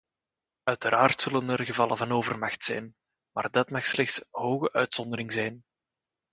Uiteraard zullen er gevallen van overmacht zijn, maar dat mag slechts hoge uitzondering zijn.